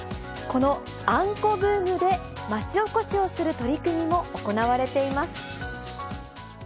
このあんこブームで町おこしをする取り組みも行われています。